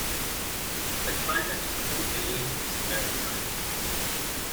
The climate in Hooper Bay is maritime.